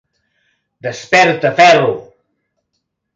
Desperta ferro!